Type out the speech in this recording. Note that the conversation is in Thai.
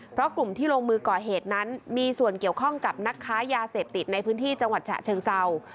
เพราะกลุ่มที่ลงมือก่อเหตุนั้นมีส่วนเกี่ยวข้องกับนักค้ายาเสพติดในพื้นที่จังหวัดฉะเชิงเศร้า